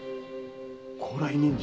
高麗人参？